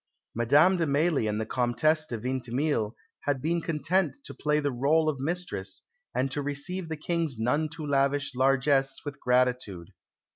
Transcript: Madame de Mailly and the Comtesse de Vintimille had been content to play the rôle of mistress, and to receive the King's none too lavish largesse with gratitude.